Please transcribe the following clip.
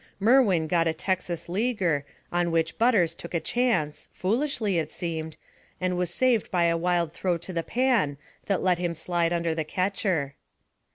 Merwin got a Texas leaguer, on which Butters took a chance foolishly, it seemed and was saved by a wild throw to the pan that let him slide under the catcher.